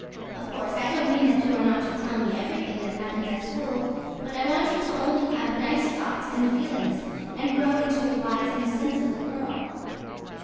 OF COURSE I DON'T MEAN THAT YOU ARE NOT TO TELL ME EVERYTHING THAT HAPPENS AT SCHOOL BUT I WANT YOU TO ONLY HAVE NICE THOUGHTS AND FEELINGS AND GROW INTO A WISE AND SENSIBLE GIRL.